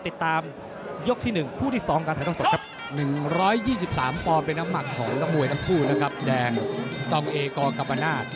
ติดตามยกที่๑คู่ที่๒การถ่ายต้องสดครับ